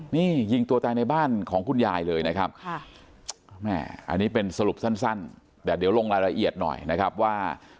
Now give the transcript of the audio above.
นี่ยิงตัวตายในบ้านของคุณยายเลยนะครับอันนี้เป็นสรุปสั้นแต่เดี๋ยวลงรายละเอียดหน่อยนะครับว่า